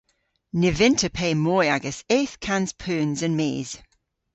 Ny vynn'ta pe moy ages eth kans peuns an mis.